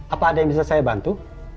apa ada yang bisa saya bantu